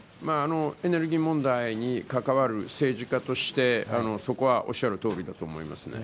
エネルギー問題に関わる政治家としてそこはおっしゃるとおりだと思います。